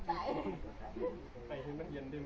สวัสดีครับ